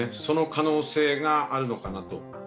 その可能性があるのかなと。